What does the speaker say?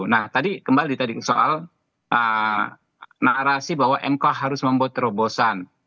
nah tadi kembali tadi soal narasi bahwa mk harus membuat terobosan